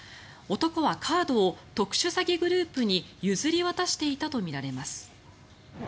男はカードを特殊詐欺グループに譲り渡していたとみられます。